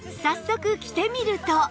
早速着てみると